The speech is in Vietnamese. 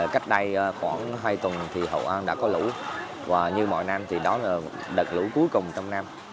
cách đây khoảng hai tuần thì hậu an đã có lũ và như mọi năm thì đó là đợt lũ cuối cùng trong năm